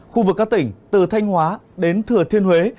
khu vực các tỉnh từ thanh hóa đến thừa thiên huế